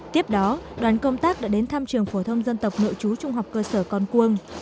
tiếp đó đoàn công tác đã đến thăm trường phổ thông dân tộc nội chú trung học cơ sở con cuông